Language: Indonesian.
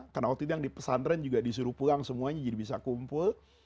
karena waktu itu yang di pesantren juga disuruh pulang semuanya jadi bisa kumpul